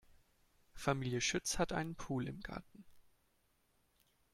Familie Schütz hat einen Pool im Garten.